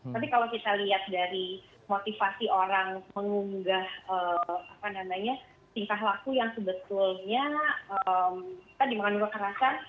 tapi kalau kita lihat dari motivasi orang mengunggah tingkah laku yang sebetulnya tadi mengandung kekerasan